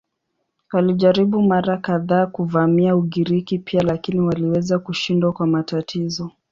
Walijaribu mara kadhaa kuvamia Ugiriki pia lakini waliweza kushindwa kwa matatizo.